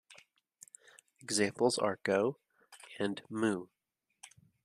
Examples are "go" and "mu".